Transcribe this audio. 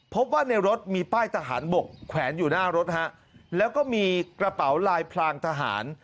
พบว่าในรถมีป้ายทหารบกแขวนอยู่หน้ารถฮะแล้วก็มีกระเป๋าลายพรางทหาร